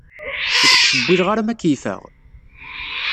Ur k-ttcewwileɣ ara ma keyyfeɣ?